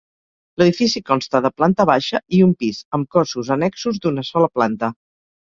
L'edifici consta de planta baixa i un pis, amb cossos annexos d'una sola planta.